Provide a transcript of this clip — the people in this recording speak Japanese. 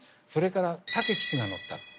それから武騎手が乗った。